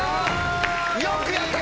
よくやった！